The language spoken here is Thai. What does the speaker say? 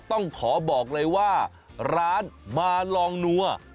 ต้องขอบอกเลยว่าร้านมาลองนัว